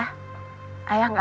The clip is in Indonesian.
abang tenang aja ya